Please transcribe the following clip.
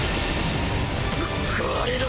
ぶっ壊れろ！